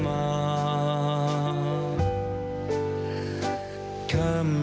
แม่ชอบ